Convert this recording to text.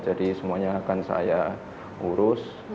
jadi semuanya akan saya urus